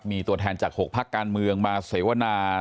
มีตัวแทนจาก๖พักการเมืองมาเสวนา